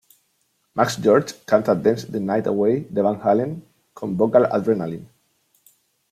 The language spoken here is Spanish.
Max George canta Dance the Night Away de Van Halen con Vocal Adrenaline.